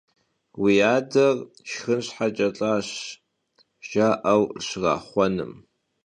«Vui ader şşxın şheç'e lh'aş», jja'eu şraxhuenım ,